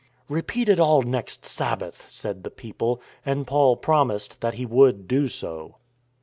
" Repeat it all next Sabbath," said the people; and Paul promised that he would do so.